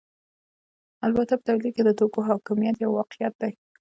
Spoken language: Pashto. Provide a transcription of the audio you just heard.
البته په تولید کې د توکو حاکمیت یو واقعیت دی